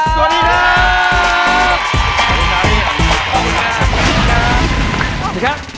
กิเลนพยองครับ